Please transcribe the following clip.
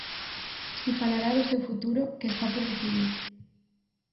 Si falará do seu futuro, que está por decidir.